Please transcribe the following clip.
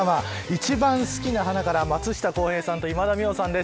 いちばんすきな花から松下洸平さんと今田美桜さんです。